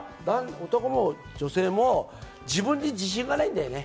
男も女性も自分に自信がないんだよね。